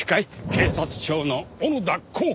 警察庁の小野田公顕。